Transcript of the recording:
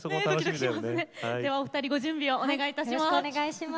ではお二人ご準備をお願いいたします。